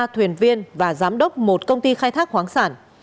ba thuyền viên và giám đốc một công ty khai thác khoáng sản